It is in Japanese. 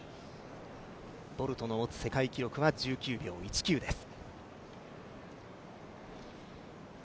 ボルトの世界記録が１９秒１９です。